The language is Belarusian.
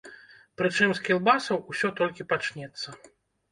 Прычым з кілбасаў усё толькі пачнецца.